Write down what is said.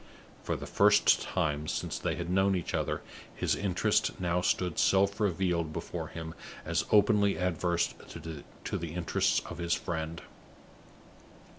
For the first time since they had known each other, his interests now stood self revealed before him as openly adverse to the interests of his friend.